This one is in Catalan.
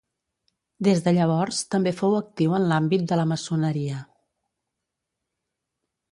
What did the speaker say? Des de llavors també fou actiu en l'àmbit de la maçoneria.